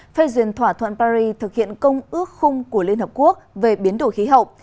phê duyên thỏa thuận paris thực hiện công ước khung của liên hợp quốc về biến đổi khí hậu